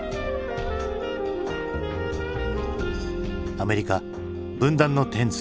「アメリカ分断の１０ｓ」。